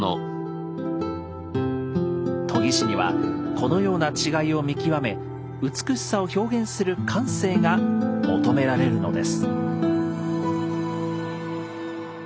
研ぎ師にはこのような違いを見極め美しさを表現する感性が求められるのです。